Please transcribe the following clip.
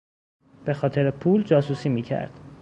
به خاطر پول جاسوسی میکرد.